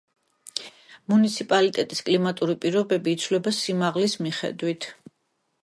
მუნიციპალიტეტის კლიმატური პირობები იცვლება სიმაღლის მიხედვით.